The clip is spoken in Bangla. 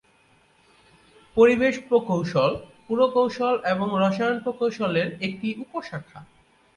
পরিবেশ প্রকৌশল, পুরকৌশল এবং রসায়ন প্রকৌশল এর একটি উপ-শাখা।